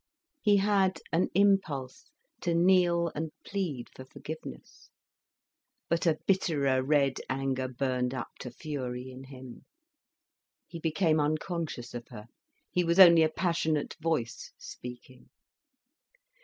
He had an impulse to kneel and plead for forgiveness. But a bitterer red anger burned up to fury in him. He became unconscious of her, he was only a passionate voice speaking.